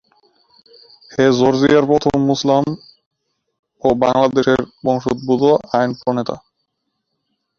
তিনি জর্জিয়ার প্রথম মুসলিম ও প্রথম বাংলাদেশি বংশোদ্ভূত আইন প্রণেতা।